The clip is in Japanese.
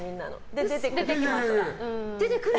で、出てきました。